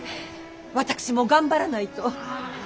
私も頑張らないと。